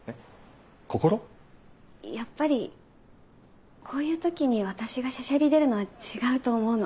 やっぱりこういう時に私がしゃしゃり出るのは違うと思うの。